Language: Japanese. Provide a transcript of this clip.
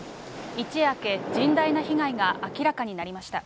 一夜明け、甚大な被害が明らかになりました。